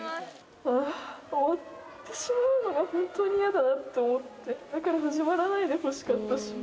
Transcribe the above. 終わってしまうのが、本当に嫌だなって思って、だから始まらないでほしかったし。